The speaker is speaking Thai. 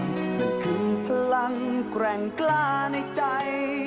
นี่คือพลังแกร่งกล้าในใจ